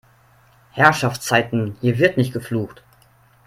Herrschaftszeiten, hier wird nicht geflucht!